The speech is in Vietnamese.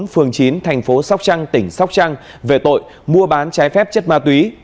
phường chín thành phố sóc trăng tỉnh sóc trăng về tội mua bán trái phép chất ma túy